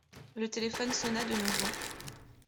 Le téléphone sonna de nouveau.